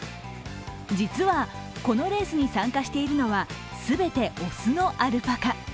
実はこのレースに参加しているのは全て雄のアルパカ。